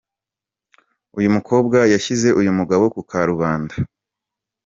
uyu mukobwa yashyize uyu mugabo ku karubanda.